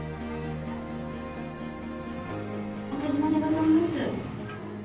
岡島でございます。